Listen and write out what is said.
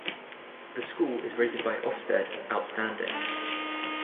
The School is rated by Ofsted 'Outstanding'.